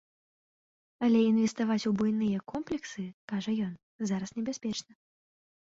Але інвеставаць у буйныя комплексы, кажа ён, зараз небяспечна.